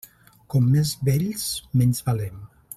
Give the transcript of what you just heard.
Com més vells, menys valem.